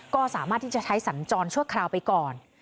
ก็สามารถที่จะใช้สัญจรชั่วคราวไปก่อน